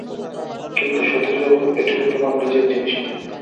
কিন্তু সতীশবাবু এটি তো তোমার নিজের জিনিস নয়।